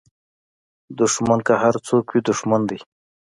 دوښمن که هر څوک وي دوښمن دی